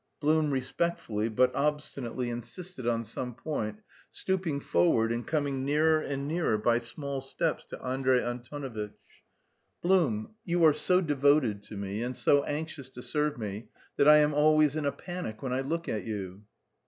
Blum respectfully but obstinately insisted on some point, stooping forward and coming nearer and nearer by small steps to Andrey Antonovitch. "Blum, you are so devoted to me and so anxious to serve me that I am always in a panic when I look at you."